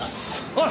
おい！